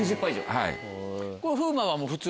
はい。